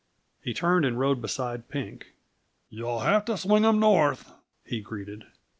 He turned and rode beside Pink. "Yuh'll have t' swing 'em north," he greeted.